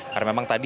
karena memang tadi